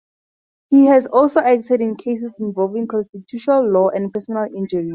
He has also acted in cases involving constitutional law and personal injuries.